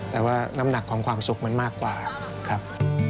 แต่ว่าน้ำหนักของความสุขมันมากกว่าครับ